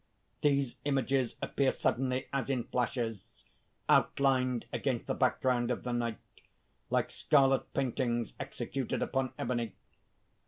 _ _These images appear suddenly, as in flashes outlined against the background of the night, like scarlet paintings executed upon ebony.